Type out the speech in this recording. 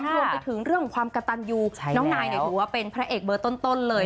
รวมไปถึงเรื่องของความกระตันยูน้องนายถือว่าเป็นพระเอกเบอร์ต้นเลย